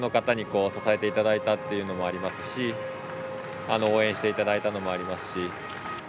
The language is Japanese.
多くの方に支えていただいたというのもありますし応援していただいたのもありますし。